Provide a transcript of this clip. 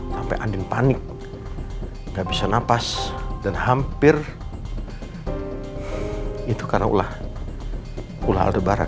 sampai andin panik gak bisa nafas dan hampir itu karena ulah ulah aldebaran